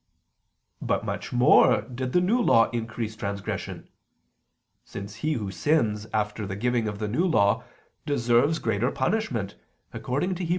But much more did the New Law increase transgression: since he who sins after the giving of the New Law deserves greater punishment, according to Heb.